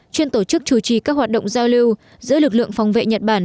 chuyên tổ chức chủ trì các hoạt động giao lưu giữa lực lượng phòng vệ nhật bản